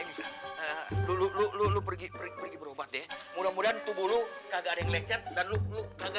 lalu lalu pergi pergi berobat ya mudah mudahan tubuh lu kagak ada yang lecet dan luka luka ya